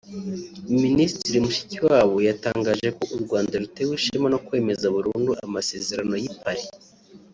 Minisitiri Mushikiwabo yatangaje ko u Rwanda rutewe ishema no kwemeza burundu Amasezerano y’i Paris